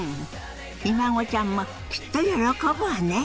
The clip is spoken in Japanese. ひ孫ちゃんもきっと喜ぶわね。